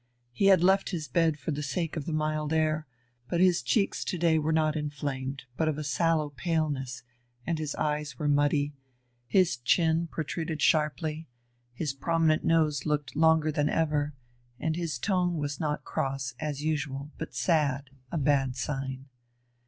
He had left his bed for the sake of the mild air, but his cheeks to day were not inflamed, but of a sallow paleness, and his eyes were muddy; his chin protruded sharply, his prominent nose looked longer than ever, and his tone was not cross, as usual, but sad a bad sign.